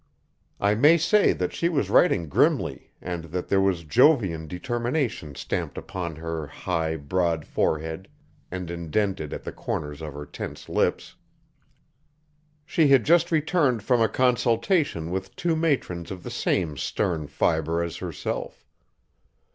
I may say that she was writing grimly and that there was Jovian determination stamped upon her high, broad forehead and indented at the corners of her tense lips. She had just returned from a consultation with two matrons of the same stern fibre as herself.